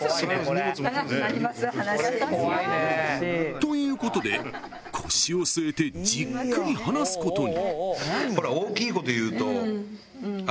［ということで腰を据えてじっくり話すことに］